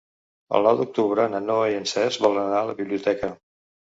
El nou d'octubre na Noa i en Cesc volen anar a la biblioteca.